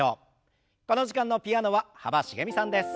この時間のピアノは幅しげみさんです。